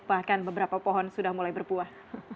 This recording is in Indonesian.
bahkan beberapa pohon sudah mulai berbuah